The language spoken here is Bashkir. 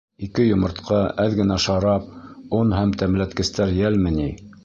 Ике йомортҡа, әҙ генә шарап, он һәм тәмләткестәр йәлме ни?